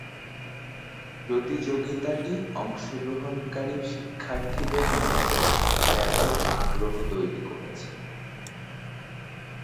প্রতিযোগিতাটি অংশগ্রহণকারী শিক্ষার্থীদের মধ্যে ব্যাপক আগ্রহ তৈরি করেছে।